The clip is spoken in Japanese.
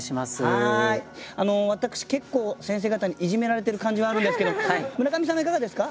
私結構先生方にいじめられてる感じはあるんですけど村上さんはいかがですか？